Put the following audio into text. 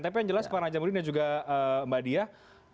tapi yang jelas pak najamuddin dan juga mbak diah